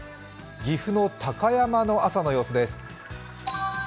岐阜の高山の朝の様子です。